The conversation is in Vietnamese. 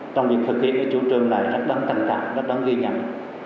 trong quá trình thực hiện đề án một trăm linh sáu của bộ công an